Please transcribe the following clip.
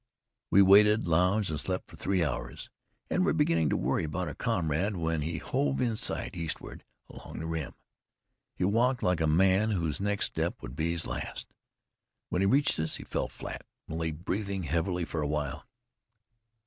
We waited, lounged, and slept for three hours, and were beginning to worry about our comrade when he hove in sight eastward, along the rim. He walked like a man whose next step would be his last. When he reached us, he fell flat, and lay breathing heavily for a while.